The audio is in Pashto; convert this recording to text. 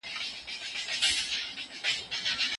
ریښتینی جهاد د نفس سره مقابله کول دي.